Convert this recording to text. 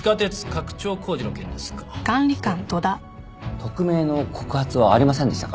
匿名の告発はありませんでしたか。